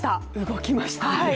動きましたね。